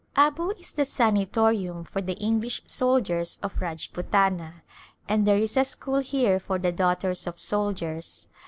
Abu is the sanitorium for the English soldiers of Rajputana, and there is a school here for the daughters of soldiers.